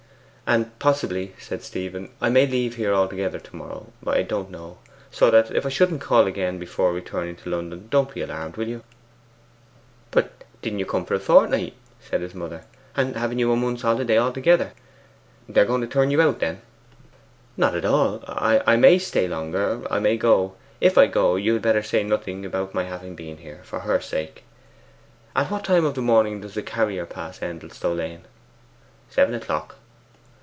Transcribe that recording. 'And possibly,' said Stephen, 'I may leave here altogether to morrow; I don't know. So that if I shouldn't call again before returning to London, don't be alarmed, will you?' 'But didn't you come for a fortnight?' said his mother. 'And haven't you a month's holiday altogether? They are going to turn you out, then?' 'Not at all. I may stay longer; I may go. If I go, you had better say nothing about my having been here, for her sake. At what time of the morning does the carrier pass Endelstow lane?' 'Seven o'clock.